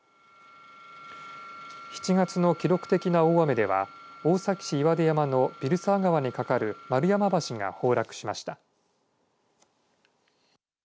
７月の記録的な大雨では大崎市岩出山の蛭沢川に架かる丸山橋が崩落しました。